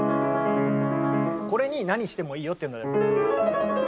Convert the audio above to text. これに何してもいいよっていうので。